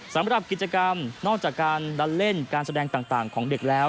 สำหรับกิจกรรมนอกจากการดันเล่นการแสดงต่างของเด็กแล้ว